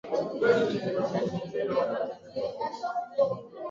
wa Karthago Perpetua alitokea familia tajiri na kuwa na mtoto wa kiume